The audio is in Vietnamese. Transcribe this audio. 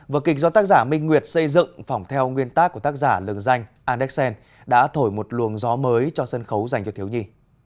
vở kịch do tác giả minh nguyệt xây dựng phỏng theo nguyên tác của tác giả lường danh anderson đã thổi một luồng gió mới cho sân khấu dành cho thiếu nhi